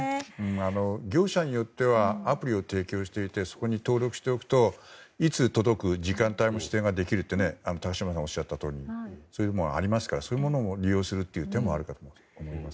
業者によってはアプリを提供していてそこに登録しておくといつ届く時間帯の指定ができるって高島さんがおっしゃったとおりそういうものがありますからそういうものを利用する手もあるかと思います。